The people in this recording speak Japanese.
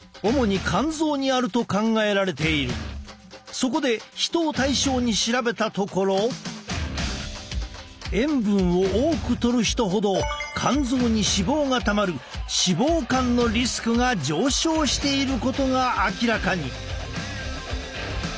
そこで人を対象に調べたところ塩分を多くとる人ほど肝臓に脂肪がたまる脂肪肝のリスクが上昇していることが明らかに。